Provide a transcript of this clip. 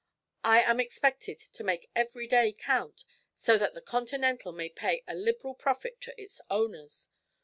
I am expected to make every day count, so that the Continental may pay a liberal profit to its owners.